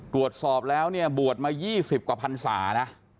ตรวจสอบแล้วเนี่ยบวชมา๒๐กว่าพันศานะ